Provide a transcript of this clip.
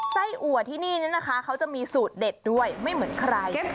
ไส้อัวที่นี่นะคะเขาจะมีสูตรเด็ดด้วยไม่เหมือนใคร